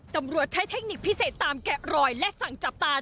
ตำรวจใช้เทคนิคพิเศษตามแกะรอยและสั่งจับตา